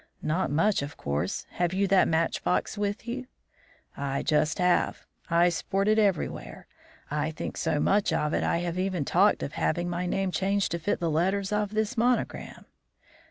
"Not much, of course. Have you that match box with you?" "I just have. I sport it everywhere. I think so much of it I have even talked of having my name changed to fit the letters of this monogram."